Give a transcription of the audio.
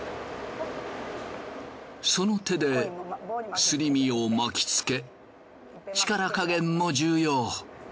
その手ですり身を巻き付け力加減も重要。